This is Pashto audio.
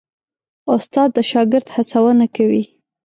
استاد د شاګرد هڅونه کوي.